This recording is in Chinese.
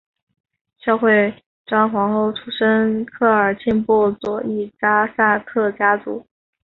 孝惠章皇后出身科尔沁部左翼扎萨克家族。